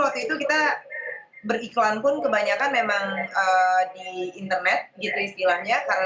strateginya sih kita waktu itu kita harus tahu betul penonton kita siapa